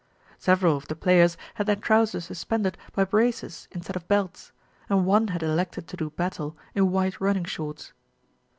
Several of the players had their trousers suspended by braces instead of belts, and one had elected to do battle in white running shorts.